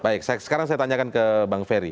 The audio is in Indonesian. baik sekarang saya tanyakan ke bang ferry